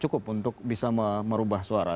cukup untuk bisa merubah suara